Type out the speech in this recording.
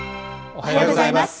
おはようございます。